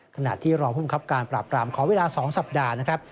ขณะที่รองภูมิครับการปราบปรามขอเวลา๒สัปดาห์นะครับ